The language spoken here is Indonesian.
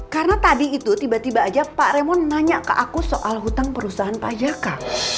karena tadi itu tiba tiba aja pak raymond nanya ke aku soal hutang perusahaan pak jaka